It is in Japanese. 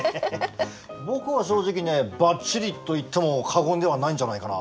僕は正直ねばっちりと言っても過言ではないんじゃないかな。